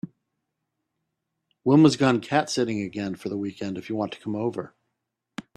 Wilma’s gone cat sitting again for the weekend if you want to come over.